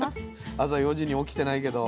朝４時に起きてないけど。